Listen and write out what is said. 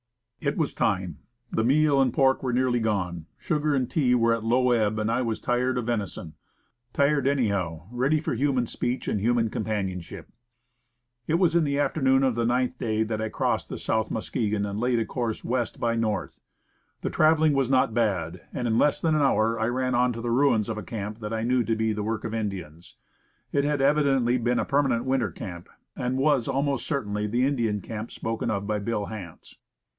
It was time. The meal and pork were nearly gone, sugar and tea were at low ebb, and I was tired of venison; tired anyhow; ready for human speech and human companionship. It was in the afternoon of the ninth day that I crossed the South Muskegon and laid a course west by north. The traveling was not bad; and in less At the River, \ 127 than an hour I ran on to the ruins of a camp that I knew to be the work of Indians. It had evidently been a permanent winter camp, and was almost cer tainly the Indian camp spoken of by Bill Hance.